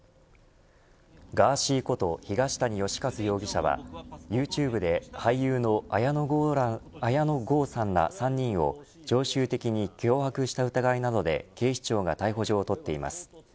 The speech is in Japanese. ガーシーこと東谷義和容疑者はユーチューブで俳優の綾野剛さんら３人を常習的に脅迫した疑いなどで警視庁が逮捕状を取っています。